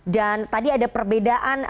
dan tadi ada perbedaan